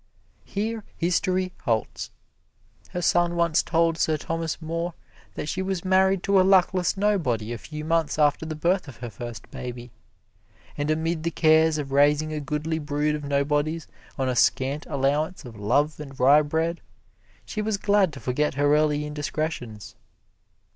Here history halts. Her son once told Sir Thomas More that she was married to a luckless nobody a few months after the birth of her first baby, and amid the cares of raising a goodly brood of nobodies on a scant allowance of love and rye bread, she was glad to forget her early indiscretions.